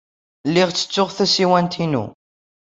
Lliɣ ttettuɣ tasiwant-inu.